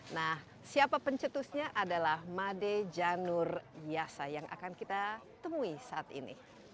nah siapa pencetusnya adalah made yanur jasa yang akan kita temukan